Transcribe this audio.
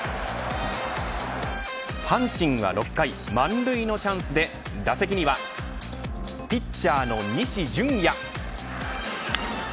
阪神は６回満塁のチャンスで打席にはピッチャーの西純矢。